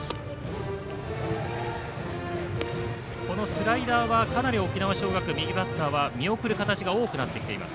スライダーはかなり沖縄尚学右バッターは見送る形が多くなっています。